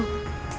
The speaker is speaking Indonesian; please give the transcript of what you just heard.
nggak ada apa apa